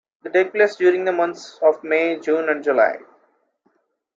They take place during the months of May, June and July.